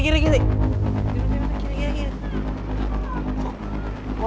berhenti berhenti kiri kiri